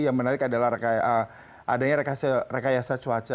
yang menarik adalah adanya rekayasa cuaca